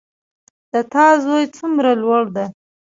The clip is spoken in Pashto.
د تا زوی څومره لوړ ده